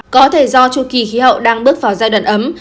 có thể do chu kỳ khí hậu đang bước vào giai đoạn ấm